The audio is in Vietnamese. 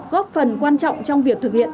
góp phần quan trọng trong việc thực hiện